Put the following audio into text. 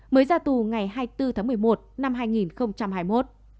mới ra tù ngày hai mươi bốn tháng một mươi một năm hai nghìn hai mươi một